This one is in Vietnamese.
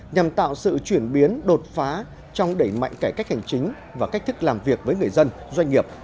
nhằm tạo sự chuyển biến đột phá trong đẩy mạnh cải cách hành chính và cách thức làm việc với người dân doanh nghiệp